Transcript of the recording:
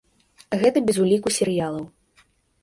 Гэта без уліку серыялаў.